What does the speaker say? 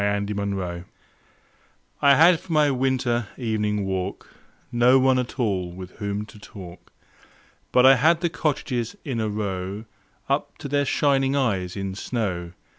Good Hours I HAD for my winter evening walk No one at all with whom to talk, But I had the cottages in a row Up to their shining eyes in snow.